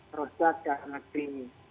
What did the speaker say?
produk dalam negeri